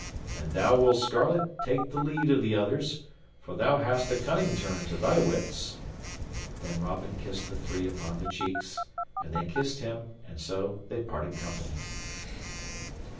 And thou, Will Scarlet, take the lead of the others, for thou hast a cunning turn to thy wits." Then Robin kissed the three upon the cheeks, and they kissed him, and so they parted company.